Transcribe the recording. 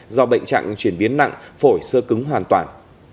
do bệnh trạng chuyển biến nặng phổi sơ cứng hoàn toàn